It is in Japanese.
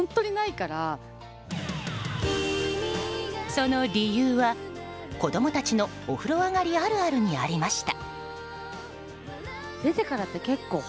その理由は、子供たちのお風呂上がりあるあるにありました。